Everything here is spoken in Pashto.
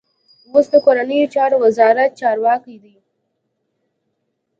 اوس د کورنیو چارو وزارت چارواکی دی.